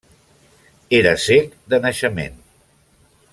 Era cec de naixement.